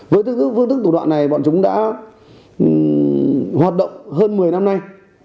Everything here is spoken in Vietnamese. với phương thức tủ đoạn này bọn chúng đã hoạt động hơn một mươi năm nay